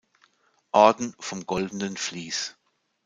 Orden vom goldenen Flies